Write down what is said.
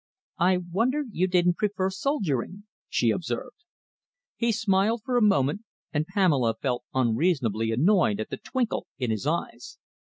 "I wonder you didn't prefer soldiering," she observed. He smiled for a moment, and Pamela felt unreasonably annoyed at the twinkle in his eyes.